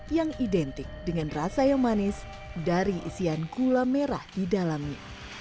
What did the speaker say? yang identik dengan rasa yang manis dari isian gula merah di dalamnya